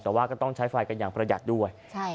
แต่ว่าก็ต้องใช้ไฟกันอย่างประหยัดด้วย